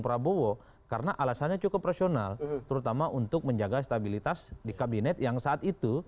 prabowo karena alasannya cukup rasional terutama untuk menjaga stabilitas di kabinet yang saat itu